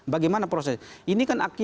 bagaimana proses ini kan